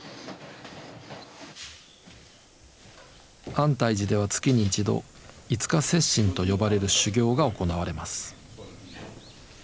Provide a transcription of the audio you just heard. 安泰寺では月に一度「五日接心」と呼ばれる修行が行われます。